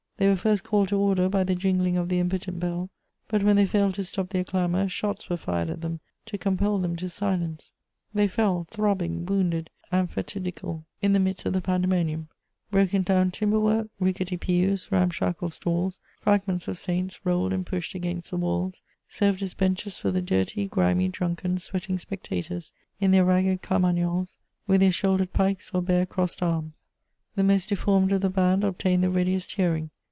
They were first called to order by the jingling of the impotent bell; but when they failed to stop their clamour, shots were fired at them to compel them to silence: they fell, throbbing, wounded and fatidical, in the midst of the pandemonium. Broken down timber work, rickety pews, ramshackle stalls, fragments of saints rolled and pushed against the walls, served as benches for the dirty, grimy, drunken, sweating spectators, in their ragged carmagnoles, with their shouldered pikes or bare crossed arms. The most deformed of the band obtained the readiest hearing.